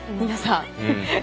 皆さん。